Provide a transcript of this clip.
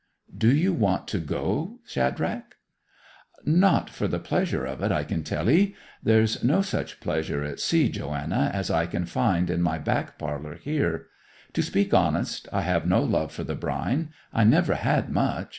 'Do you want to go, Shadrach?' 'Not for the pleasure of it, I can tell 'ee. There's no such pleasure at sea, Joanna, as I can find in my back parlour here. To speak honest, I have no love for the brine. I never had much.